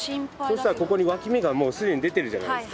そしたらここにわき芽がもうすでに出てるじゃないですか。